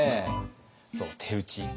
そう手打ち。